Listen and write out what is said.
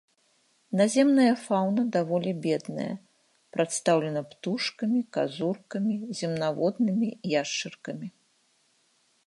Наземная фаўна даволі бедная, прадстаўлена птушкамі, казуркамі, земнаводнымі, яшчаркамі.